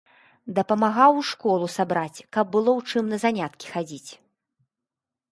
Дапамагаў у школу сабраць, каб было ў чым на заняткі хадзіць.